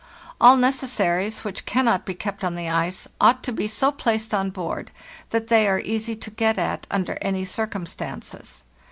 All necessaries which cannot be kept on the ice ought to be so placed on board that they are easy to get at under any circumstances.